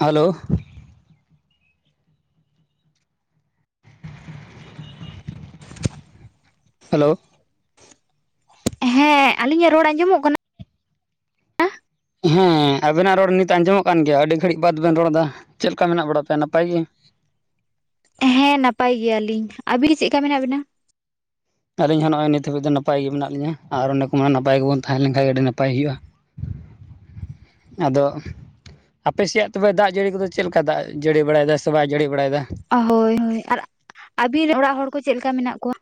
Hello hello ᱦᱮᱸ ᱟᱞᱤᱧᱟᱜ ᱨᱚᱲ ᱟᱸᱡᱚᱢᱚᱜ ᱠᱟᱱᱟ ᱦᱮᱸ ᱟᱵᱮᱱᱟᱜ ᱨᱚᱲ ᱱᱤᱛ ᱟᱸᱡᱚᱢᱚᱜ ᱠᱟᱱ ᱜᱮᱭᱟ ᱟᱹᱰᱤ ᱜᱷᱟᱹᱲᱤᱡ ᱵᱟᱫᱽ ᱵᱮᱱ ᱨᱚᱲ ᱮᱫᱟ ᱪᱮᱫ ᱞᱮᱠᱟ ᱢᱮᱱᱟᱜ ᱵᱟᱲᱟ ᱯᱮᱭᱟ ᱱᱟᱯᱟᱭ ᱜᱮ ᱦᱮᱸ ᱱᱟᱯᱟᱭ ᱜᱮᱭᱟᱞᱤᱧ ᱟᱵᱤᱱ ᱜᱮ ᱪᱮᱫ ᱞᱮᱠᱟ ᱢᱮᱱᱟᱜ ᱵᱮᱱᱟ ᱟᱹᱞᱤᱧ ᱦᱚᱸ ᱱᱚᱜᱼᱚᱭ ᱱᱤᱛ ᱦᱟᱹᱵᱤᱡ ᱫᱚ ᱱᱟᱯᱟᱭ ᱜᱮ ᱢᱮᱱᱟᱜ ᱞᱤᱧᱟ ᱟᱨ ᱚᱱᱮᱠᱚ ᱢᱮᱱᱟ ᱱᱟᱯᱟᱭ ᱜᱮᱵᱚᱱ ᱛᱟᱦᱮᱸ ᱞᱮᱱ ᱠᱷᱟᱱ ᱜᱮ ᱟᱹᱰᱤ ᱱᱟᱯᱟᱭ ᱦᱩᱭᱩᱜᱼᱟ ᱟᱫᱚ ᱟᱯᱮᱥᱮᱭᱟᱜ ᱛᱚᱵᱮ ᱫᱟᱜ ᱡᱟᱹᱲᱤ ᱠᱚᱫᱚ ᱪᱮᱫ ᱞᱮᱠᱟ ᱫᱟᱜ ᱡᱟᱹᱲᱤ ᱵᱟᱲᱟᱭ ᱫᱟᱭ ᱥᱮ ᱵᱟᱭ ᱡᱟᱹᱲᱤ ᱵᱟᱲᱟᱭᱮᱫᱟ ᱦᱳᱭ ᱦᱳᱭ ᱟᱨ ᱟᱹᱵᱤᱱ ᱚᱲᱟᱜ ᱦᱚᱲ ᱠᱚ ᱪᱮᱫ ᱞᱮᱠᱟ ᱢᱮᱱᱟᱜ ᱠᱚᱣᱟ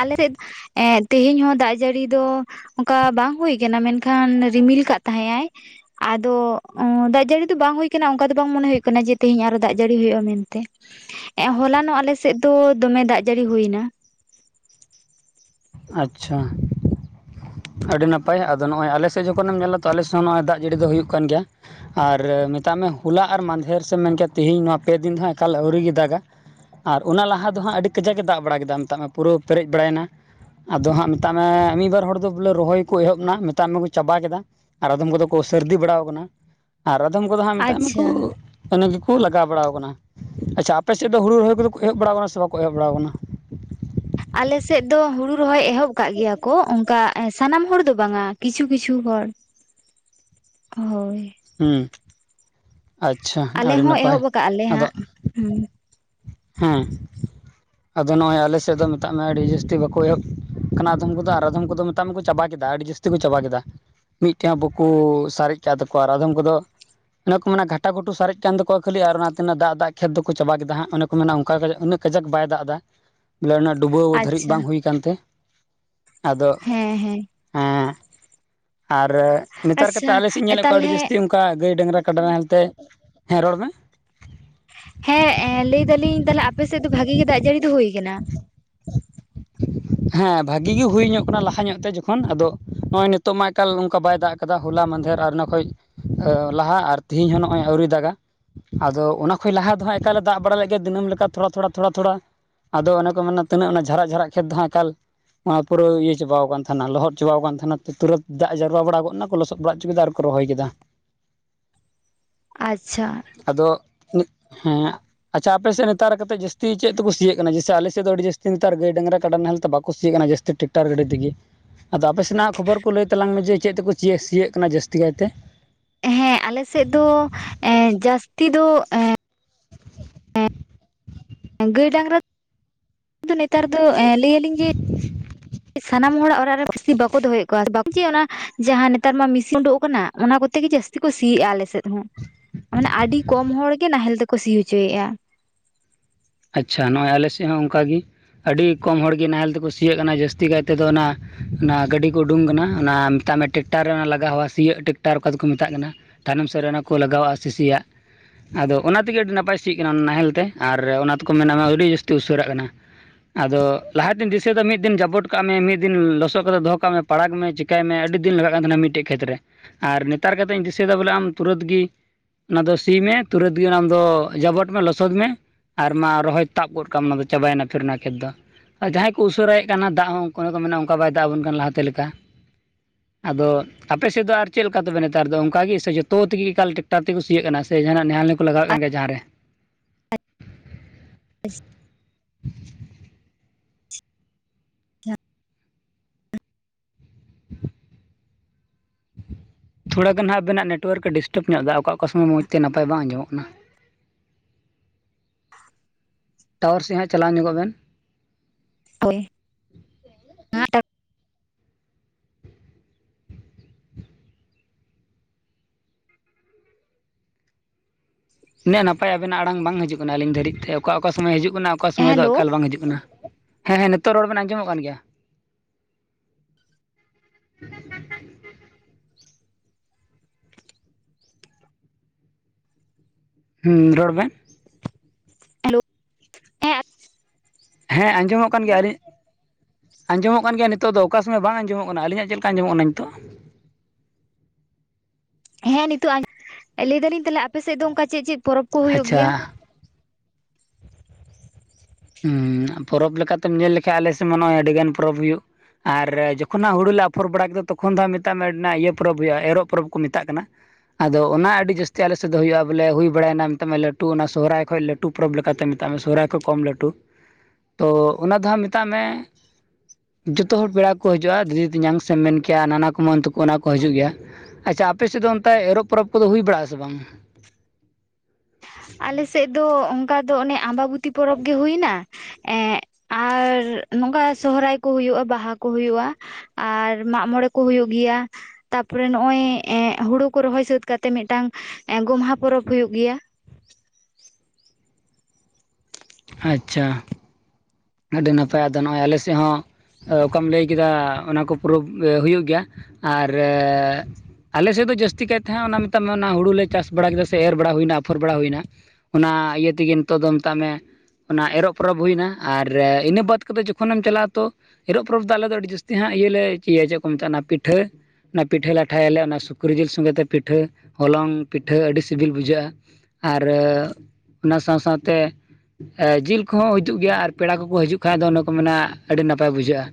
ᱟᱞᱮᱥᱮᱫ ᱫᱚ ᱮᱸᱜ ᱛᱤᱦᱤᱧ ᱦᱚᱸ ᱫᱟᱜ ᱡᱟᱹᱲᱤ ᱫᱚ ᱚᱱᱠᱟ ᱵᱟᱝ ᱦᱩᱭ ᱠᱟᱱᱟ ᱢᱮᱱᱠᱷᱟᱱ ᱨᱤᱢᱤᱞ ᱠᱟᱜ ᱛᱟᱦᱮᱸᱜ ᱟᱭ ᱟᱫᱚ ᱫᱟᱜ ᱡᱟᱹᱲᱤ ᱫᱚ ᱵᱟᱝ ᱦᱩᱭ ᱟᱠᱟᱱᱟ ᱚᱱᱠᱟ ᱫᱚ ᱵᱟᱝ ᱢᱚᱱᱮ ᱦᱩᱭᱩᱜ ᱠᱟᱱᱟ ᱡᱮ ᱛᱮᱦᱮᱧ ᱟᱨ ᱦᱚᱸ ᱫᱟᱜ ᱡᱟᱹᱲᱤ ᱦᱩᱭᱩᱜᱼᱟ ᱢᱮᱱᱛᱮ ᱦᱚᱞᱟᱱᱚᱜ ᱟᱞᱮᱥᱮᱫ ᱫᱚ ᱫᱚᱢᱮ ᱫᱟᱜ ᱡᱟᱹᱲᱤ ᱦᱩᱭᱱᱟ ᱟᱪᱪᱷᱟ ᱟᱹᱰᱤ ᱱᱟᱯᱟᱭ ᱟᱫᱚ ᱱᱚᱜᱼᱚᱭ ᱟᱞᱮ ᱥᱮᱫ ᱡᱚᱠᱷᱚᱱ ᱮᱢ ᱧᱮᱞᱟ ᱛᱚ ᱟᱞᱮ ᱥᱮᱫ ᱦᱚᱸ ᱱᱚᱜᱼᱚᱭ ᱫᱟᱜ ᱡᱟᱹᱲᱤ ᱫᱚ ᱦᱩᱭᱩᱜ ᱠᱟᱱ ᱜᱮᱭᱟ᱾ ᱟᱨ ᱢᱮᱛᱟᱜ ᱢᱮ ᱦᱚᱞᱟ ᱟᱨ ᱢᱟᱫᱷᱮᱨ ᱥᱮᱢ ᱢᱮᱱ ᱠᱮᱭᱟ ᱛᱮᱦᱮᱧ ᱱᱚᱣᱟ ᱯᱮ ᱫᱤᱱ ᱫᱚ ᱮᱠᱟᱞ ᱟᱹᱣᱨᱤ ᱜᱮ ᱫᱟᱜᱟ ᱟᱨ ᱚᱱᱟ ᱞᱟᱦᱟ ᱫᱚ ᱦᱟᱸᱜ ᱟᱹᱰᱤ ᱠᱟᱡᱟᱠᱮ ᱫᱟᱜ ᱵᱟᱲᱟ ᱠᱮᱫᱟ ᱢᱮᱛᱟᱜ ᱢᱮ ᱯᱩᱨᱟᱹᱣ ᱯᱮᱨᱮᱡ ᱵᱟᱲᱟᱭᱮᱱᱟ ᱟᱫᱚ ᱦᱟᱸᱜ ᱢᱮᱛᱟᱜ ᱢᱮ ᱢᱤᱫ ᱵᱟᱨ ᱦᱚᱲ ᱫᱚ ᱵᱚᱞᱮ ᱨᱚᱦᱚᱭ ᱠᱚ ᱮᱦᱚᱵ ᱮᱱᱟ ᱢᱮᱛᱟᱜ ᱢᱮᱠᱚ ᱪᱟᱵᱟ ᱠᱮᱫᱟ ᱟᱨ ᱟᱫᱚᱢ ᱠᱚᱫᱚ ᱠᱚ ᱥᱟᱹᱨᱫᱤ ᱵᱟᱲᱟᱣ ᱠᱟᱱᱟ ᱟᱨ ᱟᱫᱚᱢ ᱠᱚᱫᱚ ᱦᱟᱸᱜ ᱢᱮᱛᱟᱜ ᱟᱪᱪᱷᱟ ᱢᱮᱠᱚ ᱚᱱᱟ ᱜᱮᱠᱚ ᱞᱟᱜᱟᱣ ᱵᱟᱲᱟᱣ ᱠᱟᱱᱟ, ᱟᱪᱪᱷᱟ ᱟᱯᱮ ᱥᱮᱫ ᱫᱚ ᱦᱩᱲᱩ ᱨᱚᱦᱚᱭ ᱠᱚᱫᱚ ᱠᱚ ᱮᱦᱚᱵ ᱵᱟᱲᱟᱣ ᱠᱟᱱᱟ ᱥᱮ ᱵᱟᱠᱚ ᱮᱦᱚᱵ ᱵᱟᱲᱟᱣ ᱠᱟᱱᱟ ᱟᱞᱮᱥᱮᱫ ᱫᱚ ᱦᱩᱲᱩ ᱨᱚᱦᱚᱭ ᱮᱦᱚᱵ ᱠᱟᱜ ᱜᱮᱭᱟ ᱠᱚ ᱚᱱᱠᱟ ᱥᱟᱱᱟᱢ ᱦᱚᱲ ᱫᱚ ᱵᱟᱝᱟ ᱠᱤᱪᱷᱩ ᱠᱤᱪᱷᱩ ᱦᱚᱲ [inaudible] ᱦᱳᱭ ᱦᱩᱸ [inaudible] ᱟᱞᱮ ᱦᱚᱸ ᱮᱦᱚᱵ ᱱᱟᱯᱟᱭ ᱠᱟᱜᱼᱟ ᱞᱮ ᱟᱫᱚ ᱦᱟᱸᱜ ᱦᱩᱸ᱾ ᱦᱮᱸ [unintelligible] ᱟᱫᱚ ᱱᱚᱜᱼᱚᱭ ᱟᱞᱮ ᱥᱮᱫ ᱫᱚ ᱢᱮᱛᱟᱜ ᱢᱮ ᱟᱹᱰᱤ ᱡᱟᱹᱥᱛᱤ ᱵᱟᱠᱚ ᱮᱦᱚᱵ ᱠᱟᱱᱟ ᱟᱫᱚᱢ ᱠᱚᱫᱚ ᱟᱨ ᱟᱫᱚᱢ ᱠᱚᱫᱚ ᱢᱮᱛᱟᱜ ᱢᱮ ᱠᱚ ᱪᱟᱵᱟ ᱠᱮᱫᱟ᱾ ᱟᱹᱰᱤ ᱡᱟᱹᱥᱛᱤ ᱠᱚ ᱪᱟᱵᱟ ᱠᱮᱫᱟ᱾ ᱢᱤᱫᱴᱮᱱ ᱵᱟᱠᱚ ᱥᱟᱨᱮᱡ ᱠᱟᱜ ᱛᱟᱠᱚᱣᱟ ᱟᱨ ᱟᱫᱚᱢ ᱠᱚᱫᱚ ᱚᱱᱮ ᱠᱚ ᱢᱮᱱᱟ ᱜᱷᱟᱴᱟ ᱜᱷᱩᱴᱩ ᱥᱟᱨᱮᱡ ᱠᱟᱱ ᱛᱟᱠᱩᱣᱟ ᱠᱷᱟᱹᱞᱤ ᱟᱨ ᱚᱱᱟ ᱛᱤᱱᱟᱹᱜ ᱫᱟᱜ ᱫᱟᱜ ᱠᱷᱮᱛ ᱫᱚᱠᱚ ᱪᱟᱵᱟ ᱠᱮᱫᱟ ᱦᱟᱜ, ᱚᱱᱮ ᱠᱚ ᱢᱮᱱᱟ [unintelligible] ᱤᱱᱟᱹᱜ ᱠᱟᱡᱟᱠ ᱵᱟᱭ ᱫᱟᱜ ᱫᱟ [unintelligible] ᱯᱟᱞᱮ ᱚᱱᱟ ᱰᱩᱵᱟᱹᱣ ᱫᱷᱟᱹᱨᱤᱡ ᱟᱪᱪᱷᱟ ᱵᱟᱝ ᱦᱩᱭ ᱠᱟᱱ ᱛᱮ᱾ ᱟᱫᱚ ᱦᱮᱸ ᱦᱮᱸ ᱦᱮᱸ ᱟᱨ ᱱᱮᱛᱟᱨ ᱠᱟᱛᱟ ᱟᱪᱪᱷᱟ ᱟᱞᱮ ᱥᱤᱡ ᱤᱧ ᱧᱮᱞ ᱮᱫ ᱠᱚᱣᱟ᱾ ᱛᱟᱦᱚᱞᱮ ᱟᱹᱰᱤ ᱡᱟᱹᱥᱛᱤ ᱚᱱᱠᱟ ᱜᱟᱹᱭ ᱰᱟᱝᱨᱟ ᱠᱟᱰᱟ ᱱᱟᱦᱮᱞ ᱛᱮ ᱦᱮᱸ ᱨᱚᱲ ᱢᱮ᱾ ᱦᱮᱸ ᱮ ᱞᱟᱹᱭ ᱫᱟᱞᱤᱧ ᱛᱟᱞᱦᱮ ᱟᱯᱮ ᱥᱮᱫ ᱫᱚ ᱵᱷᱟᱜᱤ ᱜᱮ ᱫᱟᱜ ᱡᱟᱹᱲᱤ ᱫᱚ ᱦᱩᱭ ᱠᱟᱱᱟ᱾ [inaudible] ᱦᱮᱸ ᱵᱷᱟᱜᱤ ᱜᱮ ᱦᱩᱭ ᱧᱚᱜ ᱠᱟᱱᱟ ᱞᱟᱦᱟ ᱧᱚᱜ ᱛᱮ ᱡᱚᱠᱷᱚᱱ ᱟᱫᱚ ᱱᱚᱜ-ᱚᱭ ᱱᱤᱛᱚᱜ ᱢᱟ ᱮᱠᱟᱞ ᱱᱚᱝᱠᱟ ᱵᱟᱭ ᱫᱟᱜ ᱟᱫᱚ ᱦᱚᱞᱟ ᱢᱟᱫᱷᱮᱨ ᱟᱨ ᱚᱱᱟ ᱠᱷᱚᱡ ᱞᱟᱦᱟ ᱟᱨ ᱛᱤᱦᱤᱧ ᱦᱚᱸ ᱱᱚᱜᱼᱚᱭ ᱟᱹᱣᱨᱤᱭ ᱫᱟᱜ-ᱟ᱾ ᱟᱫᱚ ᱚᱱᱟ ᱠᱷᱚᱡᱽ ᱞᱟᱦᱟ ᱫᱚ ᱦᱟᱸᱜ ᱮᱠᱟᱞ ᱮ ᱫᱟᱜ ᱵᱟᱲᱟ ᱞᱮᱫ ᱜᱮᱭᱟ ᱫᱤᱱᱟᱹᱢ ᱞᱮᱠᱟ ᱛᱷᱚᱲᱟ ᱛᱷᱚᱲᱟ ᱛᱷᱚᱲᱟ ᱛᱷᱚᱲᱟ᱾ ᱟᱫᱚ ᱚᱱᱮ ᱠᱚ ᱢᱮᱱᱟ ᱛᱤᱱᱟᱹᱜ ᱚᱱᱟ ᱡᱷᱟᱨᱟᱜ - ᱡᱷᱟᱨᱟᱜ ᱠᱷᱮᱛ ᱫᱚ ᱦᱟᱸᱜ ᱮ [inaudible] ᱯᱩᱨᱟᱹ ᱤᱭᱟᱹ ᱪᱟᱵᱟᱣ ᱟᱠᱟᱱ ᱛᱟᱦᱮᱱᱟ ᱞᱚᱦᱚᱫ ᱪᱟᱵᱟᱣ ᱠᱟᱱ ᱛᱟᱦᱮᱱᱟ ᱛᱩᱨᱟ‌ᱹᱛ ᱫᱟᱜ ᱡᱟᱨᱣᱟ ᱵᱟᱲᱟ ᱜᱚᱫ ᱱᱟ ᱟᱨ ᱠᱚ ᱞᱚᱥᱚᱫ ᱵᱟᱲᱟ ᱦᱚᱪᱚ ᱠᱮᱫᱟ ᱟᱨ ᱨᱚᱦᱚᱭ ᱠᱮᱫᱟ [inaudible] ᱟᱪᱪᱷᱟ ᱟᱫᱚ [unintelligible] ᱦᱮᱸ ᱟᱪᱪᱷᱟ ᱟᱯᱮ ᱥᱮᱫ ᱱᱮᱛᱟᱨ ᱠᱟᱛᱮᱫ ᱡᱟᱹᱥᱛᱤ ᱪᱮᱫ ᱛᱮᱠᱚ ᱥᱤ ᱡᱮᱥᱮ ᱟᱞᱮ ᱥᱮᱫ ᱫᱚ ᱟᱹᱰᱤ ᱡᱟᱹᱥᱛᱤ ᱱᱮᱛᱟᱨ ᱜᱟᱹᱭ ᱰᱟᱝᱨᱟ ᱠᱟᱰᱟ ᱱᱟᱦᱮᱞ ᱛᱮ ᱵᱟᱠᱚ ᱥᱤ ᱠᱟᱱᱟ ᱡᱟᱹᱛᱤ ᱴᱮᱠᱴᱟᱨ ᱜᱟᱹᱰᱤ ᱛᱮᱜᱮ᱾ ᱟᱫᱚ ᱟᱯᱮ ᱥᱮᱱ-ᱟᱜ ᱠᱷᱚᱵᱚᱨ ᱠᱚ ᱞᱟᱹᱭ ᱛᱟᱞᱟᱝ ᱢᱮ᱾ ᱡᱮ ᱪᱮᱫ ᱛᱮᱠᱚ ᱥᱤ-ᱭᱮᱫ ᱠᱟᱱᱟ ᱡᱟᱹᱥᱛᱤ ᱠᱟᱭ ᱛᱮ? ᱦᱮᱸ ᱟᱞᱮ ᱥᱮᱫ ᱫᱚ ᱡᱟᱹᱥᱛᱤ ᱫᱚ ᱜᱟᱹᱭ ᱰᱟᱝᱨᱟ [inaudible] ᱛᱚ ᱱᱮᱛᱟᱨ ᱫᱚ ᱞᱟᱹᱭ ᱟᱞᱤᱧ ᱡᱮ ᱥᱟᱱᱟᱢ ᱦᱚᱲᱟᱜ ᱚᱲᱟᱜ ᱨᱮ ᱡᱟᱹᱥᱛᱤ ᱵᱟᱠᱚ ᱫᱚᱦᱚ-ᱭᱮᱫ ᱠᱚᱣᱟ ᱡᱮ ᱚᱱᱟ ᱡᱟᱦᱟᱸ ᱱᱮᱛᱟᱨ ᱢᱟ ᱢᱤᱥᱤᱱ ᱩᱰᱩᱜ ᱟᱠᱟᱱᱟ ᱚᱱᱟ ᱠᱚᱛᱮ ᱜᱮ ᱡᱟᱹᱥᱛᱤ ᱠᱚ ᱥᱤᱭᱮᱜ-ᱟ ᱟᱞᱮ ᱥᱮᱫ ᱦᱚᱸ, ᱢᱟᱱᱮ ᱟᱹᱰᱤ ᱠᱚᱢ ᱦᱚᱲ ᱜᱮ ᱱᱟᱦᱮᱞ ᱛᱮᱠᱚ ᱥᱤ ᱦᱚᱪᱚᱭᱮᱜ-ᱟ᱾ ᱟᱪᱪᱷᱟ ᱱᱚᱜᱼᱚᱭ ᱟᱞᱮ ᱥᱮᱫ ᱦᱚᱸ ᱚᱱᱠᱟ ᱜᱮ᱾ ᱟᱹᱰᱤ ᱠᱚᱢ ᱦᱚᱲ ᱜᱮ ᱱᱟᱦᱮᱞ ᱛᱮᱠᱚ ᱥᱤ-‌ᱭᱮᱜ ᱠᱟᱱᱟ ᱡᱟᱹᱥᱛᱤ ᱠᱟᱭ ᱛᱮᱫᱚ ᱚᱱᱟ ᱚᱱᱟ ᱜᱟᱹᱰᱤ ᱠᱚ ᱩᱰᱩᱝ ᱠᱟᱱᱟ ᱚᱱᱟ ᱢᱮᱛᱟᱜ ᱢᱮ ᱢᱮ [unintelligible] ᱴᱮᱠᱴᱟᱨ ᱨᱮ ᱞᱟᱜᱟᱣ-ᱟᱜ ᱥᱤᱭᱳᱜ ᱴᱮᱠᱴᱟᱨ ᱚᱠᱟ ᱫᱚᱠᱚ ᱢᱮᱛᱟᱜ ᱠᱟᱱᱟ᱾ ᱛᱟᱭᱱᱚᱢ ᱥᱮᱫ ᱨᱮ ᱚᱱᱟ ᱠᱚ ᱞᱟᱜᱟᱣᱟᱜᱼᱟ ᱥᱤᱥᱤᱭ-ᱟᱜ᱾ ᱟᱫᱚ ᱚᱱᱟ ᱛᱮᱜᱮ ᱟᱹᱰᱤ ᱱᱟᱯᱟᱭ ᱥᱤᱜ ᱠᱟᱱᱟ ᱚᱱᱟ ᱱᱟᱦᱮᱞ ᱛᱮ ᱟᱨ ᱚᱱᱟ ᱛᱮᱠᱚ ᱢᱮᱱᱟ ᱟᱹᱰᱤ ᱡᱟᱹᱥᱛᱤ ᱩᱥᱟᱹᱨᱟᱜ ᱠᱟᱱᱟ᱾ ᱟᱫᱚ ᱞᱟᱦᱟ ᱫᱤᱱ ᱫᱤᱥᱟᱹ ᱫᱚ ᱢᱤᱫ ᱫᱤᱱ ᱡᱟᱵᱚᱴ ᱠᱟᱜ ᱢᱮ ᱢᱤᱫ ᱫᱤᱱ ᱞᱚᱥᱚᱫ ᱠᱟᱛᱮ ᱫᱚᱦᱚ ᱠᱟᱜ ᱢᱮ᱾ ᱯᱟᱲᱟᱜ ᱢᱮ ᱪᱤᱠᱟᱹᱭ ᱢᱮ ᱟᱹᱰᱤ ᱫᱤᱱ ᱞᱟᱜ-ᱟᱜ ᱠᱟᱱ ᱛᱟᱦᱮᱫᱟ ᱢᱤᱫ ᱴᱮᱡ ᱠᱷᱮᱛ ᱨᱮ᱾ ᱟᱨ ᱱᱮᱛᱟᱨ ᱠᱟᱛᱮᱜ ᱤᱧ ᱫᱤᱥᱟᱹᱭ ᱫᱟ ᱵᱚᱞᱮ ᱟᱢ ᱛᱩᱨᱟᱹᱛ ᱜᱤ ᱚᱱᱟ ᱫᱚ ᱥᱤ ᱢᱮ ᱛᱩᱨᱟᱹᱛ ᱜᱮ ᱚᱱᱟ ᱫᱚ ᱡᱟᱵᱚᱴ ᱢᱮ ᱞᱚᱥᱚᱫ ᱢᱮ᱾ ᱟᱨ ᱢᱟ ᱨᱚᱦᱚᱭ ᱛᱟᱵ ᱜᱚᱫ ᱠᱟᱜ ᱢᱟ ᱚᱱᱟ ᱫᱚ ᱪᱟᱵᱟᱭ-ᱱᱟ ᱯᱷᱮᱨ ᱚᱱᱟ ᱠᱷᱮᱛ ᱫᱚ᱾ ᱟᱨ ᱡᱟᱦᱟᱸᱭ ᱠᱚ ᱩᱥᱟᱹᱨᱟᱭ ᱭᱮᱜ ᱠᱟᱱᱟ ᱫᱟᱜ ᱦᱚᱸ [unintelligible] ᱢᱮᱱᱟ ᱚᱱᱠᱟ ᱵᱟᱭ ᱫᱟᱜ ᱟᱵᱚᱱ ᱠᱟᱱᱟ ᱞᱟᱦᱟ ᱛᱮ ᱞᱮᱠᱟ᱾ ᱟᱫᱚ ᱟᱯᱮ ᱥᱮᱫ ᱫᱚ ᱟᱨ ᱪᱮᱫ ᱞᱮᱠᱟ ᱛᱚᱵᱮ ᱱᱮᱛᱟᱨ ᱫᱚ ᱚᱱᱠᱟ ᱜᱮ ᱥᱮ ᱡᱚᱛᱚ ᱛᱮ ᱜᱮ ᱮᱠᱟᱞ ᱴᱮᱠᱴᱟᱨ ᱛᱮᱜᱮ ᱠᱚ ᱥᱤ-ᱭᱮᱜ ᱠᱟᱱᱟ ᱥᱮ ᱡᱟᱦᱟᱱ-ᱟᱜ [unintelligible] ᱠᱚ ᱞᱟᱜᱟᱣᱮᱜ ᱠᱟᱱ ᱜᱮᱭᱟ ᱡᱟᱦᱟᱸ ᱨᱮ [inaudible] [inaudible] ᱟᱪᱪᱷᱟ ᱛᱷᱚᱲᱟ ᱜᱟᱱ ᱦᱟᱸᱜ ᱟᱵᱮᱱᱟᱜ ᱱᱮᱴᱚᱣᱟᱨᱠ ᱮ ᱰᱤᱥᱴᱟᱵᱽ ᱧᱚᱜ ᱮᱫᱟ ᱚᱠᱟ ᱚᱠᱟ ᱥᱚᱢᱚᱭ ᱢᱚᱡᱽ ᱛᱮ ᱱᱟᱯᱟᱭ ᱵᱟᱝ ᱟᱸᱡᱚᱢᱚᱜ ᱠᱟᱱᱟ ᱴᱟᱣᱟᱨ ᱥᱮᱫ ᱦᱟᱸᱜ ᱪᱟᱞᱟᱣ ᱧᱚᱜᱚᱜ ᱵᱮᱱ᱾ ᱦᱳᱭ, ᱩᱱᱟᱹᱜ ᱱᱟᱯᱟᱭ ᱟᱵᱮᱱᱟᱜ ᱟᱲᱟᱝ ᱵᱟᱝ ᱦᱤᱡᱩᱜ ᱠᱟᱱᱟ ᱟᱹᱞᱤᱧ ᱫᱷᱟᱹᱨᱤᱡ ᱛᱮ᱾ ᱚᱠᱟ ᱚᱠᱟ ᱥᱚᱢᱚᱭ ᱦᱤᱡᱩᱜ ᱠᱟᱱᱟ᱾ ᱚᱠᱟ ᱥᱚᱢᱚᱭ ᱫᱚ ᱦᱮᱞᱳ ᱮᱠᱟᱞ ᱵᱟᱝ ᱦᱤᱡᱩᱜ ᱠᱟᱱᱟ᱾ ᱦᱮᱸ ᱦᱮᱸ ᱱᱤᱛᱳᱜ ᱨᱚᱲ ᱵᱮᱱ ᱟᱸᱡᱚᱢ-ᱚᱜ ᱠᱟᱱ ᱜᱮᱭᱟ᱾ [unintelligible] [unintelligible] ᱨᱚᱲ ᱢᱮ᱾ ᱦᱮᱞᱳ ᱦᱮᱸ ᱦᱮᱸ ᱟᱸᱡᱚᱢ-ᱚᱜ ᱠᱟᱱ ᱜᱮᱭᱟ ᱟᱹᱞᱤᱧ ᱟᱸᱡᱚᱢ-ᱚᱜ ᱠᱟᱱ ᱜᱮᱭᱟ ᱱᱤᱛᱚᱜ ᱫᱚ ᱚᱠᱟ ᱥᱚᱢᱚᱭ ᱵᱟᱝ ᱟᱸᱡᱚᱢ-ᱚᱜ ᱠᱟᱱᱟ? ᱟᱹᱞᱤᱧᱟᱜ ᱪᱮᱫ ᱞᱮᱠᱟ ᱟᱸᱡᱚᱢ -ᱚᱜ ᱠᱟᱱᱟ ᱱᱤᱛᱚᱜ? ᱦᱮᱸ ᱱᱤᱛᱚᱜ [unintelligible] ᱞᱟᱹᱭ ᱫᱟᱹᱞᱤᱧ ᱛᱟᱞᱦᱮ ᱟᱯᱮ ᱥᱮᱫ ᱫᱚ ᱚᱱᱠᱟ ᱪᱮᱫ ᱪᱮᱫ ᱯᱚᱨᱚᱵᱽ ᱠᱚ ᱦᱩᱭᱩᱜ ᱟᱪᱪᱷᱟ ᱜᱮᱭᱟ? ᱦᱩᱸᱻ ᱯᱚᱨᱚᱵᱽ ᱞᱮᱠᱟᱛᱮᱢ ᱧᱮᱞ ᱞᱮᱠᱷᱟᱡ ᱟᱞᱮ ᱥᱮᱫ ᱢᱟ ᱱᱚᱜᱚᱭ ᱟᱹᱰᱤ ᱜᱟᱱ ᱯᱚᱨᱚᱵᱽ ᱦᱩᱭᱩᱜ ᱟᱨ ᱡᱚᱠᱷᱚᱱ ᱦᱟᱸᱜ ᱦᱩᱲᱩ ᱞᱮ ᱟᱯᱷᱚᱨ ᱵᱟᱲᱟ ᱠᱮᱫᱟ ᱛᱚᱠᱷᱚᱱ ᱫᱚᱟᱸᱜ ᱢᱮᱛᱟᱜ ᱢᱮ ᱤᱭᱟᱹ ᱯᱚᱨᱚᱵᱽ ᱦᱩᱭᱩᱜᱼᱟ ᱮᱨᱚᱜ ᱯᱚᱨᱚᱵᱽ ᱠᱚ ᱢᱮᱛᱟᱜ ᱠᱟᱱᱟ ᱟᱫᱚ ᱚᱱᱟ ᱟᱹᱰᱤ ᱡᱟᱹᱥᱛᱤ ᱟᱞᱮ ᱥᱮᱫ ᱫᱚ ᱦᱩᱭᱩᱜᱼᱟ ᱵᱚᱞᱮ ᱦᱩᱭ ᱵᱟᱲᱟᱭᱮᱱᱟ ᱢᱮᱛᱟᱢᱟ ᱞᱟᱹᱴᱩ ᱚᱱᱟ ᱥᱚᱦᱨᱟᱭ ᱠᱷᱚᱡ ᱞᱟᱹᱴᱩ ᱞᱟᱹᱴᱩ ᱯᱚᱨᱚᱵᱽ ᱞᱮᱠᱟᱛᱮ ᱢᱮᱛᱟᱜ ᱢᱮ ᱥᱚᱦᱚᱨᱟᱭ ᱠᱚ ᱠᱚᱢ ᱞᱟᱹᱴᱩ ᱛᱚ ᱚᱱᱟ ᱫᱚ ᱦᱟᱸᱜ ᱢᱮᱛᱟᱜ ᱢᱮ ᱡᱚᱛᱚ ᱦᱚᱲ ᱯᱮᱲᱟ ᱠᱚ ᱦᱤᱡᱩᱜᱼᱟ ᱫᱤᱫᱤ ᱛᱤᱧᱟᱝ ᱥᱮᱢ ᱢᱮᱱ ᱠᱮᱭᱟ ᱱᱟᱱᱟ ᱠᱩᱢᱟᱝ ᱛᱟᱠᱚ ᱚᱱᱟ ᱠᱚ ᱦᱤᱡᱩᱜ ᱜᱮᱭᱟ ᱟᱪᱪᱷᱟ ᱟᱯᱮ ᱥᱮᱫ ᱫᱚ ᱚᱱᱛᱮ ᱮᱨᱚᱜ ᱯᱚᱨᱚᱵᱽ ᱠᱚᱫᱚ ᱦᱩᱭ ᱵᱟᱲᱟᱜᱼᱟᱥᱮ ᱵᱟᱝ ᱟᱞᱮᱥᱮᱫ ᱫᱚ ᱚᱝᱠᱟ ᱫᱚ ᱚᱱᱮ ᱟᱢᱵᱟᱵᱚᱛᱤ ᱯᱚᱨᱚᱵᱽ ᱜᱮ ᱦᱩᱭᱱᱟ ᱮᱸᱜ ᱟᱨ ᱱᱚᱝᱠᱟ ᱥᱚᱦᱚᱨᱟᱭ ᱠᱚ ᱦᱩᱭᱩᱜᱼᱟ ᱵᱟᱦᱟ ᱠᱚ ᱦᱩᱭᱩᱜᱼᱟ ᱟᱨ ᱢᱟᱜ ᱢᱚᱬᱮ ᱠᱚ ᱦᱩᱭᱩᱜ ᱜᱮᱭᱟ ᱛᱟᱯᱚᱨᱮ ᱱᱚᱜ-ᱚᱭ ᱮᱸᱜ ᱦᱩᱲᱩ ᱠᱚ ᱨᱚᱦᱚᱭ ᱥᱟᱹᱛ ᱠᱟᱛᱮᱜ ᱢᱤᱫᱴᱟᱝ ᱜᱚᱢᱦᱟ ᱯᱚᱨᱚᱵᱽ ᱦᱩᱭᱩᱜ ᱜᱮᱭᱟ ᱟᱪᱪᱷᱟ ᱟᱹᱰᱤ ᱱᱟᱯᱟᱭ ᱟᱫᱚ ᱱᱚᱜ ᱚᱭ ᱟᱞᱮᱥᱮᱫ ᱦᱚᱸ ᱚᱠᱟᱢ ᱞᱟᱹᱭ ᱠᱮᱫᱟ ᱚᱱᱟ ᱠᱚ ᱯᱚᱨᱚᱵ ᱦᱳᱭᱳᱜ ᱜᱮᱭᱟ ᱟᱨ ᱟᱞᱮ ᱥᱮᱫ ᱫᱚ ᱡᱟᱥᱛᱤ ᱠᱟᱭ ᱛᱟᱦᱮᱸᱜ ᱚᱱᱟ ᱢᱮᱛᱟᱜ ᱢᱮ ᱚᱱᱟ ᱦᱩᱲᱩᱞ ᱞᱮ ᱪᱟᱥ ᱵᱟᱲᱟ ᱠᱮᱫᱟ ᱥᱮ ᱮᱨ ᱵᱟᱲᱟ ᱦᱩᱭᱱᱟ ᱟᱯᱷᱚᱨ ᱵᱟᱲᱟ ᱦᱩᱭᱱᱟ ᱚᱱᱟ ᱤᱭᱟᱹ ᱛᱮᱜᱮ ᱱᱤᱛᱚᱜ ᱫᱚ ᱢᱮᱛᱟᱜ ᱢᱮ ᱚᱱᱟ ᱮᱨᱚᱜ ᱯᱚᱨᱚᱵᱽ ᱦᱩᱭᱱᱟ ᱟᱨ ᱤᱱᱟᱹ ᱵᱟᱫ ᱠᱟᱛᱮᱫ ᱡᱚᱠᱷᱚᱱᱮᱢ ᱪᱟᱞᱟᱜᱼᱟ ᱛᱚ ᱮᱨᱚᱜ ᱯᱚᱨᱚᱵᱽ ᱫᱚ ᱟᱞᱮ ᱫᱚ ᱟᱹᱰᱤ ᱡᱟᱹᱥᱛᱤ ᱦᱟᱸᱜ ᱤᱭᱟᱹ ᱞᱮ ᱤᱭᱟᱹᱭᱟ ᱪᱮᱫ ᱠᱚ ᱢᱮᱛᱟᱜᱼᱟ ᱯᱤᱴᱷᱟᱹ ᱚᱱᱟ ᱯᱤᱴᱷᱟᱹ ᱞᱟᱴᱷᱟᱭᱟᱞᱮ ᱚᱱᱟ ᱥᱩᱠᱨᱤ ᱡᱤᱞ ᱥᱚᱸᱜᱮ ᱛᱮ ᱯᱤᱴᱷᱟᱹ ᱦᱚᱞᱚᱝ ᱯᱤᱴᱷᱟᱹ ᱟᱹᱰᱤ ᱥᱤᱵᱤᱞ ᱵᱩᱡᱷᱟᱹᱜᱼᱟ ᱟᱨ ᱚᱱᱟ ᱥᱟᱶ ᱥᱟᱶᱛᱮ ᱡᱤᱞ ᱠᱚᱦᱚᱸ ᱦᱤᱡᱩᱜ ᱜᱮᱭᱟ ᱟᱨ ᱯᱮᱲᱟ ᱠᱚᱠᱚ ᱦᱤᱡᱩᱜ ᱠᱷᱟᱡ ᱫᱚ ᱚᱱᱮ ᱠᱚ ᱢᱮᱱᱟ ᱟᱹᱰᱤ ᱱᱟᱯᱟᱭ ᱵᱩᱡᱷᱟᱹᱜᱼᱟ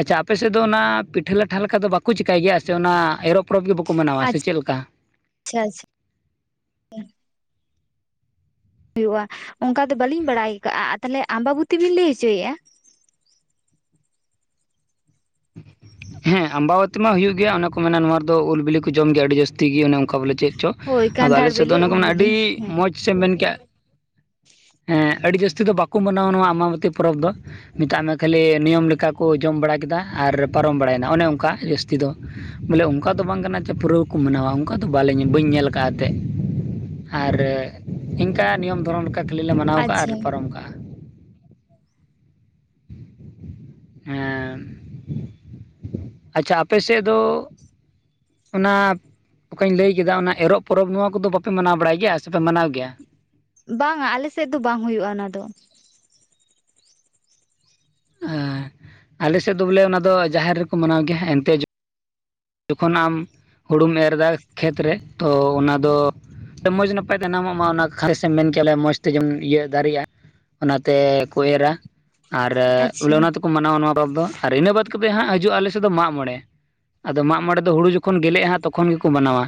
ᱟᱪᱪᱷᱟ ᱟᱯᱮᱥᱮᱫ ᱫᱚ ᱚᱱᱟ ᱯᱤᱴᱷᱟᱹ ᱞᱟᱴᱷᱟ ᱞᱮᱠᱟ ᱫᱚ ᱵᱟᱠᱚ ᱪᱮᱠᱟᱭ ᱜᱮᱭᱟ ᱥᱮ ᱚᱱᱟ ᱮᱨᱚᱜ ᱯᱚᱨᱚᱵᱽ ᱜᱮ ᱵᱟᱠᱚ ᱢᱟᱱᱟᱣᱟ ᱥᱮ ᱪᱮᱫ ᱞᱮᱠᱟ ᱪᱷᱟ ᱟᱪᱷᱟ ᱦᱩᱭᱩᱜᱼᱟ ᱚᱱᱠᱟ ᱫᱚ ᱵᱟᱹᱞᱤᱧ ᱵᱟᱰᱟᱭ ᱟᱠᱟᱜᱼᱟ ᱛᱟᱦᱞᱮ ᱟᱢᱵᱟᱵᱩᱛᱤ ᱵᱤᱱ ᱞᱟᱹᱭ ᱦᱚᱪᱚᱭᱮᱫᱼᱟ ᱦᱮᱸ ᱟᱢᱵᱟᱵᱟᱛᱤ ᱢᱟ ᱦᱩᱭᱩᱜ ᱜᱮᱭᱟ ᱚᱱᱟ ᱠᱚ ᱢᱮᱱᱟ ᱱᱚᱣᱟ ᱫᱚ ᱩᱞ ᱵᱤᱞᱤ ᱠᱚ ᱡᱚᱢ ᱜᱮᱭᱟ ᱟᱹᱰᱤ ᱡᱟᱹᱥᱛᱤ ᱜᱮ ᱚᱱᱮ ᱚᱝᱠᱟ ᱵᱚᱞᱮ ᱪᱮᱫ ᱪᱚ ᱦᱳᱭ ᱟᱫᱚ ᱟᱞᱮ ᱠᱟᱱᱴᱷᱟᱲ ᱥᱮᱫ ᱫᱚ ᱵᱮᱞᱮ ᱚᱱᱮ ᱠᱚ ᱩᱞ ᱵᱤᱞᱤ ᱟᱹᱰᱤ ᱦᱮᱸ ᱢᱚᱡᱽ ᱥᱮᱢ ᱢᱮᱱ ᱠᱮᱜᱼᱟ ᱦᱮᱸ ᱟᱹᱰᱤ ᱡᱟᱹᱥᱛᱤ ᱫᱚ ᱵᱟᱠᱚ ᱢᱟᱱᱟᱣᱟ ᱱᱚᱣᱟ ᱟᱢᱵᱟᱵᱚᱛᱤ ᱯᱚᱨᱚᱵᱽ ᱫᱚ ᱢᱮᱛᱟᱜ ᱢᱮ ᱠᱷᱟᱹᱞᱤ ᱱᱤᱭᱚᱢ ᱞᱮᱠᱟ ᱠᱚ ᱡᱚᱢ ᱵᱟᱲᱟ ᱠᱮᱫᱟ ᱟᱨ ᱯᱟᱨᱚᱢ ᱵᱟᱲᱟᱭᱮᱱᱟ ᱚᱱᱮ ᱚᱝᱠᱟ ᱡᱟᱹᱥᱛᱤ ᱫᱚ ᱵᱚᱞᱮ ᱚᱝᱠᱟ ᱫᱚ ᱵᱟᱝ ᱠᱟᱱᱟ ᱡᱮ ᱯᱩᱨᱟᱹᱣ ᱠᱚ ᱢᱟᱱᱟᱣᱟ ᱚᱝᱠᱟ ᱫᱚ ᱵᱟᱞᱮ ᱵᱟᱹᱧ ᱧᱮᱞ ᱟᱠᱟᱼᱟ ᱮᱱᱛᱮᱫ ᱟᱨ ᱤᱱᱠᱟ ᱱᱤᱭᱚᱢ ᱫᱷᱚᱨᱚᱢ ᱞᱮᱠᱟ ᱴᱷᱮᱞᱤ ᱞᱮ ᱢᱟᱱᱟᱣ ᱠᱟᱜᱼᱟ ᱟᱨ‌ ᱟᱪᱪᱷᱟ ᱞᱮ ᱯᱟᱨᱚᱢ ᱠᱟᱜᱼᱟ ᱦᱮᱸ, ᱟᱪᱪᱷᱟ ᱟᱯᱮ ᱥᱮᱫ ᱫᱚ ᱚᱱᱟ ᱚᱠᱟᱧ ᱞᱟᱹᱭ ᱠᱮᱫᱟ ᱚᱱᱟ ᱮᱨᱚᱜ ᱯᱚᱨᱚᱵᱽ ᱱᱚᱣᱟ ᱠᱚᱫᱚ ᱵᱟᱯᱮ ᱢᱟᱱᱟᱣ ᱵᱟᱲᱟᱭ ᱜᱮᱭᱟ ᱥᱮᱯᱮ ᱢᱟᱱᱟᱣ ᱜᱮᱭᱟ ᱵᱟᱝᱟ ᱟᱞᱮᱥᱮᱫ ᱫᱚ ᱵᱟᱝ ᱦᱩᱭᱩᱜᱼᱟ ᱚᱱᱟ ᱫᱚ ᱮᱸ, ᱟᱞᱮ ᱥᱮᱫ ᱫᱚ ᱵᱚᱞᱮ ᱚᱱᱟ ᱫᱚ ᱡᱟᱦᱮᱨ ᱨᱮᱠᱚ ᱢᱟᱱᱟᱣ ᱜᱮᱭᱟ ᱦᱮᱸ ᱮᱱᱛᱮ ᱡᱚᱠᱷᱚᱱ ᱟᱢ ᱦᱩᱲᱩᱢ ᱮᱨᱫᱟ ᱠᱷᱮᱛ ᱨᱮ ᱛᱚ ᱚᱱᱟ ᱫᱚ ᱢᱚᱸᱡᱽ ᱱᱟᱯᱟᱭ ᱛᱮ [unintelligible] ᱢᱟ ᱚᱱᱟ ᱠᱷᱮ ᱥᱮᱢ ᱢᱮᱱ ᱠᱮᱭᱟᱞᱮ ᱚᱱᱟ ᱢᱚᱸᱡᱽ ᱛᱮ ᱡᱚᱢ ᱤᱭᱟᱹ ᱫᱟᱨᱮᱜᱼᱟ ᱚᱱᱟ ᱛᱮᱠᱚ ᱮᱨᱟ ᱟᱨ ᱵᱚᱞᱮ ᱟᱪᱪᱷᱟ ᱚᱱᱟ ᱢᱟᱱᱟᱣᱟ ᱱᱚᱣᱟ ᱯᱚᱨᱚᱵᱽ ᱫᱚ ᱟᱨ ᱤᱱᱟᱹ ᱵᱟᱫᱽ ᱠᱟᱛᱮᱫ ᱦᱟᱸᱜ ᱦᱤᱡᱩᱜᱼᱟ ᱟᱞᱮ ᱥᱮᱫ ᱫᱚ ᱢᱟᱜᱢᱚᱬᱮ ᱟᱫᱚ ᱢᱟᱜ ᱢᱚᱬᱮ ᱫᱚ ᱦᱩᱲᱩ ᱡᱚᱠᱷᱚᱱ ᱜᱮᱞᱮᱜᱼᱟ ᱦᱟᱸᱜ ᱛᱚᱠᱷᱚᱱ ᱜᱮᱠᱚ ᱢᱟᱱᱟᱣᱟ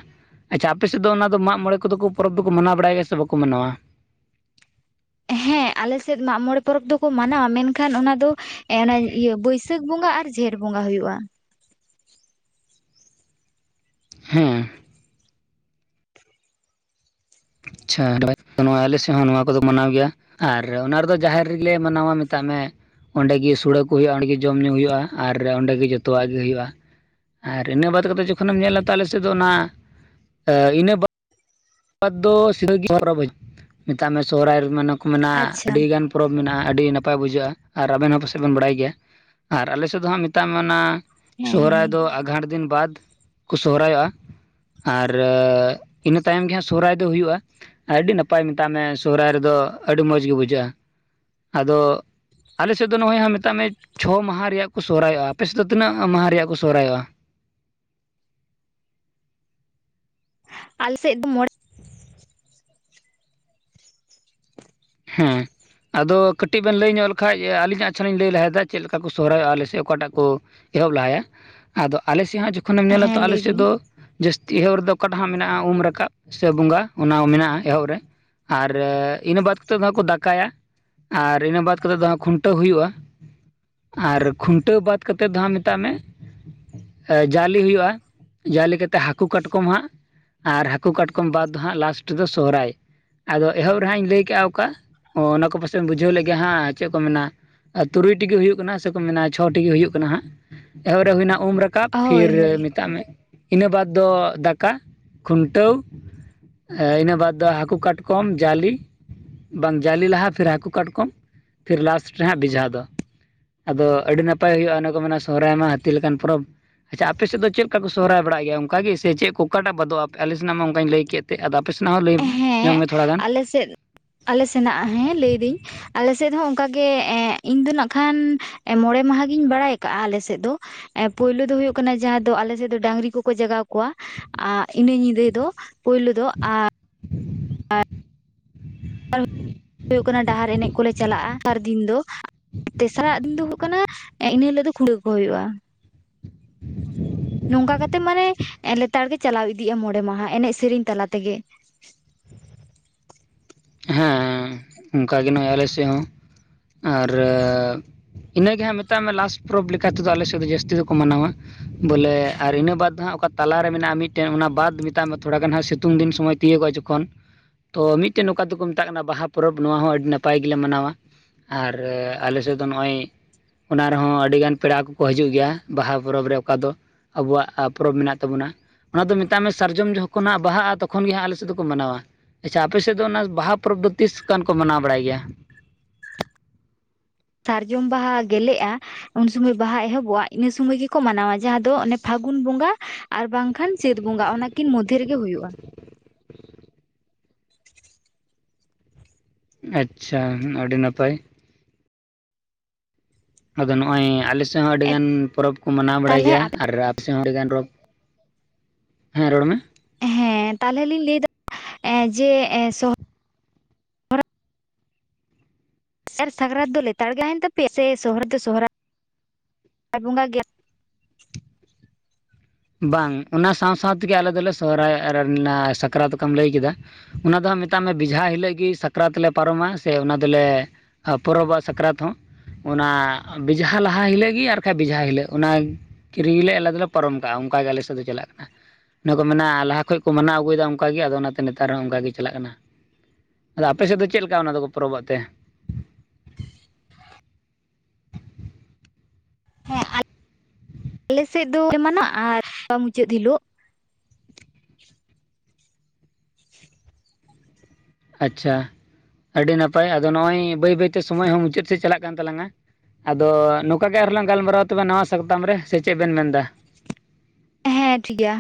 ᱟᱪᱪᱷᱟ ᱟᱯᱮᱥᱮᱫ ᱫᱚ ᱚᱱᱟᱫᱚ ᱢᱟᱜ ᱢᱚᱬᱮ ᱠᱚᱫᱚ ᱠᱚ ᱯᱚᱨᱚᱵᱽ ᱫᱚᱠᱚ ᱢᱟᱱᱟᱣ ᱵᱟᱲᱟᱭ ᱜᱮᱭᱟ ᱥᱮ ᱵᱟᱠᱚ ᱢᱟᱱᱟᱣᱟ᱾ ᱦᱮᱸ ᱟᱞᱮᱥᱮᱫ ᱢᱟᱜᱢᱚᱬᱮ ᱯᱚᱨᱚᱵᱽ ᱫᱚᱠᱚ ᱢᱟᱱᱟᱣᱟ ᱢᱮᱱᱠᱷᱟᱱ ᱚᱱᱟ ᱫᱚ ᱮᱸ, ᱚᱱᱟ ᱤᱭᱟᱹ ᱵᱟᱹᱭᱥᱟᱹᱠᱷ ᱵᱚᱸᱜᱟ ᱟᱨ ᱡᱷᱮᱸᱴ ᱵᱚᱸᱜᱟ ᱦᱩᱭᱩᱜᱼᱟ ᱦᱮᱸ ᱟᱪᱪᱷᱟ [unintelligible] ᱢᱟᱱᱚᱣᱟ ᱟᱞᱮ ᱥᱮᱫ ᱦᱚᱸ ᱱᱚᱣᱟ ᱠᱚᱫᱚ ᱢᱟᱱᱟᱣ ᱜᱮᱭᱟ ᱟᱨ ᱚᱱᱟ ᱨᱮᱫᱚ ᱡᱟᱦᱮᱨ ᱨᱮᱜᱮᱞᱮ ᱢᱟᱱᱟᱣᱟ ᱢᱮᱛᱟᱜ ᱢᱮ ᱚᱸᱰᱮ ᱜᱮ ᱥᱩᱲᱟᱹ ᱠᱚ ᱦᱩᱭᱩᱜᱼᱟ ᱚᱸᱰᱮ ᱜᱮ ᱡᱚᱢ ᱧᱩ ᱦᱩᱭᱩᱜᱼᱟ ᱟᱨ ᱚᱸᱰᱮᱜ ᱜᱮ ᱡᱚᱛᱚᱣᱟᱜ ᱜᱮ ᱦᱩᱭᱩᱜᱼᱟ ᱟᱨ ᱤᱱᱟᱹ ᱵᱟᱫ ᱠᱟᱛᱮᱫ ᱡᱚᱠᱷᱚᱱᱮᱢ ᱧᱮᱞᱟ ᱛᱟ ᱟᱞᱮ ᱥᱮᱫ ᱫᱚ ᱚᱱᱟ ᱤᱱᱟᱹ ᱵᱟᱫ [unintelligible] ᱢᱮᱛᱟᱜ ᱢᱮ ᱥᱚᱦᱨᱟᱭ ᱨᱮ ᱢᱟᱱᱮ ᱠᱚ ᱢᱮᱱᱟ ᱟᱪᱪᱷᱟ ᱟᱹᱰᱤ ᱜᱟᱱ ᱯᱚᱨᱚᱵᱽ ᱢᱮᱱᱟᱜᱼᱟ, ᱟᱹᱰᱤ ᱱᱟᱯᱟᱭ ᱵᱩᱡᱷᱟᱹᱜᱼᱟ ᱟᱨ ᱟᱵᱮᱱ ᱦᱚᱸ ᱯᱟᱥᱮᱡ ᱵᱮᱱ ᱵᱟᱲᱟᱭ ᱜᱮᱭᱟ ᱟᱨ ᱟᱞᱮᱥᱮᱫ ᱫᱚ ᱦᱟᱸᱜ ᱢᱮᱛᱟᱜ ᱢᱮ, ᱚᱱᱟ ᱦᱮᱸ ᱥᱚᱦᱨᱟᱭ ᱦᱮᱸ ᱫᱚ ᱟᱸᱜᱷᱟᱴ ᱫᱤᱱ ᱵᱟᱫ ᱠᱚ ᱥᱚᱦᱨᱟᱭᱚᱜᱼᱟ ᱟᱨ ᱤᱱᱟᱹ ᱛᱟᱭᱚᱢ ᱜᱮ ᱥᱚᱦᱨᱟᱭ ᱫᱚ ᱦᱩᱭᱩᱜᱼᱟ ᱟᱹᱰᱤ ᱱᱟᱯᱟᱭ ᱢᱮᱛᱟᱜ ᱢᱮ ᱥᱚᱦᱨᱟᱭ ᱨᱮᱫᱚ ᱟᱹᱰᱤ ᱢᱚᱡᱽ ᱜᱮ ᱵᱩᱡᱷᱟᱹᱜᱼᱟ ᱟᱫᱚ ᱟᱞᱮᱥᱮᱫ ᱫᱚ ᱱᱚᱜᱼᱚᱭ ᱦᱟᱸ ᱢᱮᱛᱟᱜ ᱢᱮ ᱪᱷᱚ ᱢᱟᱦᱟ ᱨᱮᱭᱟᱜ ᱠᱚ ᱥᱚᱨᱚᱦᱨᱟᱭᱚᱜᱼᱟ᱾ ᱟᱯᱮᱥᱮᱫ ᱫᱚ ᱛᱤᱱᱟᱹᱜ ᱢᱟᱦᱟ ᱨᱮᱭᱟᱜ ᱠᱚ ᱥᱚᱨᱚᱦᱨᱟᱭᱚᱜᱼᱟ? ᱟᱞ ᱥᱮᱫ ᱫᱚ ᱢᱚᱬᱮ ᱦᱮᱸᱻ ᱟᱫᱚ ᱠᱟᱹᱴᱤᱡ ᱵᱮᱱ ᱞᱟᱹᱭ ᱧᱚᱜ ᱞᱮᱠᱷᱟᱱ, ᱟᱹᱞᱤᱧ ᱟᱪᱪᱷᱟ ᱞᱤᱧ ᱞᱟᱹᱭ ᱞᱟᱦᱟᱭᱮᱫᱟ᱾ ᱪᱮᱫ ᱞᱮᱠᱟ ᱠᱚ ᱥᱚᱦᱨᱟᱭᱚᱜᱼᱟ? ᱟᱞᱮ ᱥᱮ ᱚᱠᱟᱴᱟᱜ ᱠᱚ ᱮᱦᱚᱵ ᱞᱟᱦᱟᱭᱟ ᱟᱫᱚ ᱟᱞᱮ ᱥᱮᱫ ᱦᱚᱸ ᱡᱚᱠᱷᱚᱱᱮᱢ ᱧᱮᱞᱟ ᱛᱚ ᱦᱮᱸ ᱟᱞᱮ ᱞᱟᱹᱭ ᱥᱮᱫ ᱵᱤᱱ ᱫᱚ ᱡᱟᱹᱥᱛᱤ ᱮᱦᱚᱵ ᱨᱮᱫᱚ ᱚᱠᱟᱴ ᱢᱮᱱᱟᱜᱼᱟ᱾ ᱩᱢ ᱨᱟᱠᱟᱵ ᱥᱮ ᱵᱚᱸᱜᱟ ᱚᱱᱟ ᱦᱚᱸ ᱢᱮᱱᱟᱜᱼᱟ ᱮᱦᱚᱵ ᱨᱮ᱾ ᱟᱨ ᱤᱱᱟᱹ ᱵᱟᱫ ᱫᱚ ᱠᱚ ᱫᱟᱠᱟᱭᱟ ᱟᱨ ᱤᱱᱟᱹ ᱵᱟᱫᱽ ᱠᱟᱛᱮ ᱫᱚ ᱦᱟᱸᱜ ᱠᱷᱩᱱᱴᱟᱹᱣ ᱦᱩᱭᱩᱜᱼᱟ᱾ ᱟᱨ ᱠᱷᱩᱱᱴᱟᱹᱣ ᱵᱟᱫ ᱠᱟᱛᱮᱫ ᱫᱚ ᱦᱟᱸᱜ ᱢᱮᱛᱟᱜ ᱢᱮ ᱡᱟ. ᱞᱤ ᱦᱩᱭᱩᱜᱼᱟ, ᱡᱟ. ᱞᱤ ᱠᱟᱛᱮᱜ ᱦᱟᱹᱠᱩ ᱠᱟᱴᱠᱚᱢ ᱦᱟᱸᱜ᱾ ᱟᱨ ᱦᱟᱹᱠᱩ ᱠᱟᱴᱠᱚᱢ ᱵᱟᱫᱽ ᱫᱚ ᱦᱟᱸᱜ ᱞᱟᱥᱴ ᱨᱮᱫᱚ ᱥᱚᱦᱨᱟᱭ᱾ᱟᱫᱚ ᱮᱦᱚᱵ ᱨᱮᱦᱟᱸᱜ ᱤᱧ ᱞᱟᱹᱭ ᱠᱟᱜᱼᱟ ᱚᱱᱠᱟ ᱚ ᱚᱱᱟ ᱠᱚ ᱯᱟᱥᱮᱢ ᱵᱩᱡᱷᱟᱹᱣ ᱞᱮᱫ ᱜᱮᱭᱟ ᱦᱟᱸᱜ ᱪᱮᱫ ᱠᱚ ᱢᱮᱱᱟ? ᱟ ᱛᱩᱨᱩᱭ ᱴᱤᱜᱮ ᱦᱩᱭᱩᱜ ᱠᱟᱱᱟ ᱥᱮᱠᱚ ᱢᱮᱱᱟ ᱪᱷᱚᱴᱤᱜᱮ ᱦᱩᱭᱩᱜ ᱠᱟᱱᱟ ᱦᱟᱸᱜ ᱮᱦᱚᱵᱨᱮ ᱦᱩᱭᱱᱟ ᱩᱢ ᱨᱟ ᱠᱟᱵ ᱦᱳᱭ ᱯᱷᱤᱨ ᱦᱳᱭ ᱢᱮᱛᱟᱜ ᱢᱮ, ᱤᱱᱟᱹ ᱵᱟᱫᱽ ᱫᱚ ᱫᱟᱠᱟ ᱠᱷᱩᱱᱴᱟᱹᱣ ᱤᱱᱟᱹ ᱵᱟᱫᱽ ᱫᱚ ᱦᱟᱹᱠᱩ ᱠᱟᱴᱠᱚᱢ ᱡᱟ. ᱞᱤ ᱵᱟᱝ ᱡᱟᱞᱮ ᱞᱟᱦᱟ ᱯᱷᱤᱨ ᱦᱟᱹᱠᱩ ᱠᱟᱴᱠᱚᱢ ᱯᱷᱤᱨ ᱞᱟᱥᱴ ᱨᱮ ᱦᱟᱸᱜ ᱵᱮᱡᱷᱟ ᱫᱚ᱾ ᱟᱫᱚ ᱟᱹᱰᱤ ᱱᱟᱯᱟᱭ ᱦᱩᱭᱩᱜᱼᱟ᱾ ᱚᱱᱟ ᱠᱚ ᱢᱮᱱᱟ ᱥᱚᱦᱚᱨᱟᱭ ᱢᱟ ᱦᱟᱹᱛᱤ ᱞᱮᱠᱟᱱ ᱯᱚᱨᱚᱵᱽ᱾ ᱟᱪᱪᱷᱟ ᱟᱯᱮᱥᱮᱫ ᱪᱮᱫ ᱞᱮᱠᱟ ᱠᱚ ᱥᱚᱦᱨᱟᱭ ᱵᱟᱲᱟᱜ ᱜᱮᱭᱟ? ᱚᱱᱠᱟ ᱜᱮ ᱥᱮ ᱪᱮᱫ ᱠᱚ ᱚᱠᱟᱴᱟᱜ ᱵᱟᱫᱚᱜᱼᱟ? ᱟᱞᱮ ᱥᱮᱱᱟᱜ ᱢᱟ ᱚᱱᱠᱟ. ᱧ ᱞᱟᱹᱭ ᱠᱮᱫ᱾ ᱛᱮ ᱟᱫᱚ ᱟᱯᱮ ᱥᱮᱱᱟᱜ ᱦᱚᱸ ᱞᱟᱹᱭ ᱧᱚᱜ ᱦᱮᱸ ᱢᱮ ᱛᱷᱚᱲᱟ ᱜᱟᱱ᱾ ᱟᱞᱮ ᱥᱮᱫ, ᱟᱞᱮ ᱥᱮᱱᱟᱜ ᱦᱮᱸ ᱞᱟᱹᱭᱫᱟᱹᱧ ᱟᱞᱮ ᱥᱮᱫ ᱦᱚᱸ ᱚᱱᱠᱟᱜᱮ ᱮ ᱤᱧ ᱫᱚ ᱱᱟᱜ ᱠᱷᱟᱱ ᱢᱚᱬᱮ ᱢᱟᱦᱟ ᱜᱤᱧ ᱵᱟᱲᱟᱭ ᱟᱠᱟᱜᱼᱟ, ᱟᱞᱮ ᱥᱮᱫ ᱫᱚ᱾ ᱮ ᱯᱳᱭᱞᱳ ᱫᱚ ᱦᱩᱭᱩᱜ ᱠᱟᱱᱟ ᱡᱟᱦᱟᱸ ᱫᱚ ᱟᱞᱮ ᱥᱮᱫ ᱫᱚ ᱰᱟᱝᱨᱤ ᱠᱚᱠᱚ ᱡᱟᱜᱟᱣ ᱠᱚᱣᱟ᱾ ᱟ ᱤᱱᱟᱹ ᱧᱤᱫᱟᱹ ᱫᱚ ᱯᱳᱭᱞᱳ ᱫᱚ ᱟ ᱦᱩᱭᱩᱜ ᱠᱟᱱᱟ ᱰᱟᱦᱟᱨ ᱮᱱᱮᱡ ᱠᱚᱞᱮ ᱪᱟᱞᱟᱜᱼᱟ ᱥᱟᱨ ᱫᱤᱱ ᱫᱚ ᱛᱮᱥᱟᱨᱟᱜ ᱫᱤᱱ ᱫᱚ ᱦᱩᱭᱩᱜ ᱠᱟᱱᱟ, ᱤᱱᱟ ᱦᱤᱞᱟᱹᱜ ᱫᱚ ᱠᱷᱩᱱᱴᱟᱹᱣ ᱠᱚ ᱦᱩᱭᱩᱜᱼᱟ᱾ ᱱᱚᱝᱠᱟ ᱠᱟᱛᱮᱜ ᱢᱟᱱᱮ ᱞᱮᱛᱟᱲ ᱜᱮ ᱪᱟᱞᱟᱣ ᱤᱫᱤᱜᱼᱟ ᱢᱚᱲᱮ ᱢᱟᱦᱟ ᱮᱱᱮᱡ ᱥᱮᱨᱮᱧ ᱛᱟᱞᱟ ᱛᱮᱜᱮ᱾ ᱦᱮᱸ ᱚᱱᱠᱟᱜᱮ ᱱᱚᱜᱼᱚᱭ ᱟᱞᱮ ᱥᱮᱫ ᱦᱚᱸ ᱟᱨ ᱤᱱᱟᱹᱜᱮ ᱦᱟᱸᱜ ᱢᱮᱛᱟᱜ ᱢᱮ ᱞᱟᱥᱴ ᱯᱚᱨᱚᱵᱽ ᱞᱮᱠᱟᱛᱮᱫᱚ ᱟᱞᱮ ᱥᱮᱫ ᱫᱚ ᱡᱟᱹᱥᱛᱤ ᱫᱚᱠᱚ ᱢᱟᱱᱟᱣᱟ ᱵᱚᱞᱮ ᱟᱨ ᱤᱱᱟᱹ ᱵᱟᱫ ᱫᱚ ᱦᱟᱸᱜ ᱚᱠᱟ ᱛᱟᱞᱟᱨᱮ ᱢᱮᱱᱟᱜᱼᱟ? ᱢᱤᱫᱴᱮᱱ ᱚᱱᱟ ᱵᱟᱫ ᱢᱮᱛᱟᱜ ᱢᱮ ᱛᱷᱚᱲᱟ ᱜᱟᱱ ᱦᱟᱸᱜ ᱥᱤᱛᱩᱝ ᱫᱤᱱ ᱥᱚᱢᱚᱭ ᱛᱤᱭᱳᱜᱚᱜᱼᱟ ᱡᱚᱠᱷᱚᱱ ᱛᱚ ᱢᱤᱫᱴᱮᱱ ᱱᱚᱝᱠᱟ ᱫᱚᱠᱚ ᱢᱮᱛᱟᱜ ᱠᱟᱱᱟ ᱵᱟᱦᱟ ᱯᱚᱨᱚᱵᱽ᱾ ᱱᱚᱣᱟ ᱦᱚᱸ ᱟᱹᱰᱤ ᱱᱟᱯᱟᱭ ᱜᱮᱞᱮ ᱢᱟᱱᱟᱣᱟ᱾ ᱟᱨ ᱟᱞᱮᱥᱮᱫ ᱫᱚ ᱱᱚᱜᱼᱚᱭ ᱚᱱᱟ ᱨᱮᱦᱚᱸ ᱟᱹᱰᱤᱜᱟᱱ ᱯᱮᱲᱟ ᱠᱚᱠᱚ ᱦᱤᱡᱩᱜ ᱜᱮᱭᱟ᱾ ᱵᱟᱦᱟ ᱯᱚᱨᱚᱵᱽ ᱨᱮ ᱚᱠᱟ ᱫᱚ ᱟᱵᱚᱣᱟᱜ ᱯᱚᱨᱚᱵᱽ ᱢᱮᱱᱟᱜ ᱛᱟᱵᱚᱱᱟ ᱚᱱᱟ ᱫᱚ ᱢᱮᱛᱟᱜ ᱢᱮ ᱥᱟᱨᱡᱚᱢ ᱡᱚᱠᱷᱚᱱ ᱦᱟᱸᱜ ᱵᱟᱦᱟᱜᱼᱟ, ᱛᱚᱠᱷᱚᱱ ᱜᱮ ᱦᱟᱸᱜ ᱟᱞᱮᱥᱮᱫ ᱫᱚ ᱠᱚ ᱢᱟᱱᱟᱣᱟ᱾ ᱟᱪᱪᱷᱟ ᱟᱯᱮᱥᱮᱫ ᱫᱚ ᱚᱱᱟ ᱵᱟᱦᱟ ᱯᱚᱨᱚᱵᱽ ᱫᱚ ᱛᱤᱥᱠᱟᱱ ᱠᱚ ᱢᱟᱱᱟᱣ ᱵᱟᱲᱟᱭ ᱜᱮᱭᱟ? ᱥᱟᱨᱡᱚᱢ ᱵᱟᱦᱟ ᱜᱮᱞᱮᱜᱼᱟ᱾ ᱩᱱ ᱥᱚᱢᱚᱭ ᱵᱟᱦᱟ ᱮᱦᱚᱵᱚᱜᱼᱟ, ᱤᱱᱟᱹ ᱥᱚᱢᱚᱭ ᱜᱮᱠᱚ ᱢᱟᱱᱟᱣᱟ᱾ ᱡᱟᱦᱟᱸ ᱫᱚ ᱚᱱᱮ ᱯᱷᱟᱹᱜᱩᱱ ᱵᱚᱸᱜᱟ ᱟᱨ ᱵᱟᱝᱠᱷᱟᱱ ᱪᱟᱹᱛ ᱵᱚᱸᱜᱟ ᱚᱱᱟᱠᱤᱱ ᱢᱚᱫᱽᱫᱷᱮ ᱨᱮᱜᱮ ᱦᱩᱭᱩᱜᱼᱟ ᱟᱪᱪᱷᱟ ᱟᱹᱰᱤ ᱱᱟᱯᱟᱭ, ᱟᱫᱚ ᱱᱚᱜᱼᱚᱭ ᱟᱞᱮ ᱥᱮᱫ ᱦᱚᱸ ᱟᱹᱰᱤᱜᱟᱱ ᱯᱚᱨᱚᱵᱽ ᱠᱚ ᱢᱟᱱᱟᱣ ᱵᱟᱲᱟᱭ ᱛᱟᱦᱚᱞᱮ ᱜᱮᱭᱟ ᱟᱨ [unintelligible] ᱦᱮᱸ ᱨᱚᱲ ᱢᱮ, ᱦᱮᱸ ᱛᱟᱞᱦᱮ ᱞᱤᱧ ᱞᱟᱹᱭᱫᱟ ᱮᱸ ᱡᱮ ᱮᱸ ᱥᱚᱦ [inaudible] ᱥᱟᱨ ᱥᱟᱠᱨᱟᱛ ᱫᱚ ᱞᱮᱛᱟᱲ ᱜᱮ ᱦᱳᱭ ᱮᱱ ᱛᱟᱯᱮᱭᱟ ᱥᱮ ᱥᱚᱦᱚᱨᱟ ᱫᱚ ᱥᱚᱦᱚᱨᱟᱭ, ᱵᱟ ᱵᱚᱸᱜᱟ ᱜᱮ ᱵᱟᱝ ᱚᱱᱟ ᱥᱟᱶ ᱥᱟᱶ ᱛᱮᱜᱮ ᱟᱞᱮ ᱫᱚᱞᱮ ᱥᱚᱦᱨᱟᱭ ᱟᱨᱮ ᱞᱮᱱᱟ ᱥᱟᱠᱨᱟᱛ ᱚᱠᱟᱢ ᱞᱟᱹᱭ ᱠᱮᱫᱟ, ᱚᱱᱟ ᱫᱚ ᱦᱟᱸᱜ ᱢᱮᱛᱟᱜ ᱢᱮ ᱵᱮᱡᱷᱟ ᱦᱤᱞᱳᱜ ᱜᱮ ᱥᱟᱠᱨᱟᱛ ᱞᱮ ᱯᱟᱨᱚᱢᱟ ᱥᱮ ᱚᱱᱟ ᱫᱚᱞᱮ ᱟ ᱯᱚᱨᱚᱵᱽ ᱟᱜ ᱥᱟᱠᱨᱟᱛ ᱦᱚᱸ, ᱚᱱᱟ ᱵᱮᱡᱷᱟ ᱞᱟᱦᱟ ᱦᱤᱞᱳᱜ ᱜᱮ ᱟᱨ ᱵᱟᱠᱷᱟᱡᱽ ᱵᱮᱡᱷᱟ ᱦᱤᱞᱳᱜ ᱚᱱᱟ ᱠᱤᱨᱤ ᱜᱮᱞᱮ ᱟᱞᱮ ᱫᱚᱞᱮ ᱯᱟᱨᱚᱢ ᱚᱱᱠᱟ ᱜᱮ ᱟᱞᱮ ᱥᱮᱫ ᱫᱚ ᱪᱟᱞᱟᱜ ᱠᱟᱱᱟ, ᱚᱱᱟ ᱠᱚ ᱢᱮᱱᱟ ᱞᱟᱦᱟ ᱠᱷᱚᱡ ᱠᱚ ᱢᱟᱱᱟᱣ ᱟᱹᱜᱩᱭᱮᱫᱟ ᱚᱱᱠᱟ ᱜᱮ ᱟᱫᱚ ᱚᱱᱟᱛᱮ ᱱᱮᱛᱟᱨ ᱦᱚᱸ ᱚᱱᱠᱟ ᱜᱮ ᱪᱟᱞᱟᱜ ᱠᱟᱱᱟ, ᱟᱫᱚ ᱟᱯᱮ ᱥᱮᱫ ᱫᱚ ᱪᱮᱫ ᱞᱮᱠᱟ ᱚᱱᱟ ᱫᱚᱠᱚ ᱯᱚᱨᱚᱵᱽ ᱚᱜ ᱛᱮ? ᱦᱮᱸ ᱟᱞᱮᱥᱮᱫ ᱫᱚ ᱮᱢᱟᱱᱟᱜ ᱟᱨ ᱢᱩᱪᱟᱹᱫ ᱦᱤᱞᱳᱜ, ᱟᱪᱪᱷᱟ ᱟᱹᱰᱤ ᱱᱟᱯᱟᱭ ᱟᱫᱚ ᱱᱚᱜᱼᱚᱭ ᱵᱟᱹᱭ ᱵᱟᱹᱭᱛᱮ ᱥᱚᱢᱚᱭ ᱦᱚᱸ ᱢᱩᱪᱟᱹᱫ ᱥᱮᱫ ᱪᱟᱞᱟᱜ ᱠᱟᱱ ᱛᱟᱞᱟᱝ ᱟ, ᱟᱫᱚ ᱱᱚᱝᱠᱟ ᱜᱮ ᱟᱨᱦᱚᱸ ᱞᱟᱝ ᱜᱟᱞᱢᱟᱨᱟᱣ-ᱟ ᱛᱚᱵᱮ ᱱᱟᱣᱟ ᱥᱟᱛᱟᱢ ᱨᱮ ᱥᱮ ᱪᱮᱫ ᱵᱮᱱ ᱢᱮᱱᱫᱟ, ᱦᱮᱸ ᱴᱷᱤᱠ ᱜᱮᱭᱟ,